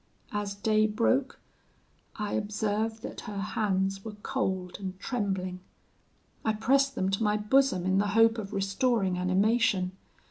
As day broke, I observed that her hands were cold and trembling; I pressed them to my bosom in the hope of restoring animation.